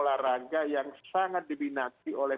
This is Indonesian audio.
sejam tinggal neverna teh